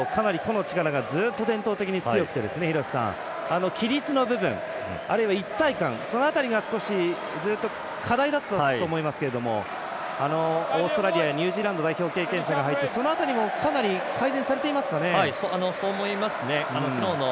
サモアというと個の力がずっと伝統的に強くて規律の部分、あるいは一体感その辺りがずっと課題だったと思いますけどオーストラリアやニュージーランド代表経験者が入ってその辺りもかなり改善されてますかね。